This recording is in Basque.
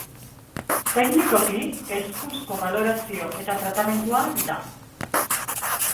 Teknikoki, eskuzko balorazio eta tratamendua da.